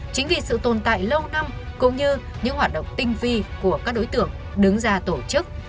chính vì sự tồn tại lâu năm cũng như những hoạt động tinh vi của các đối tượng đứng ra tổ chức